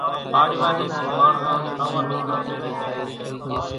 پاڙِوا ني ۮِي ماڻۿان نوان لوڳڙان پيري سي۔